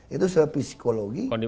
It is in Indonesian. itu secara psikologi